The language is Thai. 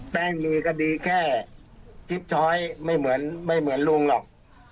แป้งมีก็ดีแค่ไม่เหมือนไม่เหมือนลุงหรอก